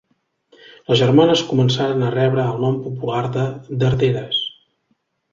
Les germanes començaren a rebre el nom popular de darderes.